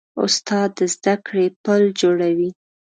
استاد د زدهکړې پل جوړوي.